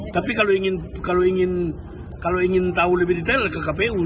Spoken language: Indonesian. tapi kalau ingin tahu lebih detail ke kpu